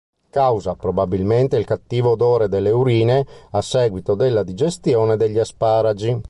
Causa, probabilmente, il cattivo odore delle urine a seguito della digestione degli asparagi.